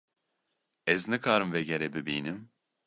Ez nikarim vegerê bibînim?